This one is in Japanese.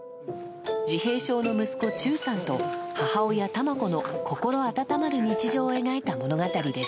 自閉症の息子ちゅうさんと母親の心温まる日常を描いた物語です。